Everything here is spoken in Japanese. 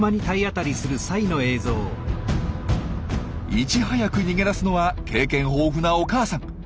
いち早く逃げ出すのは経験豊富なお母さん。